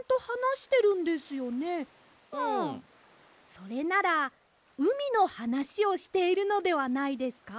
それならうみのはなしをしているのではないですか？